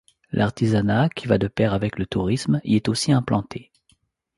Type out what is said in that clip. L’artisanat, qui va de pair avec le tourisme, y est aussi implanté.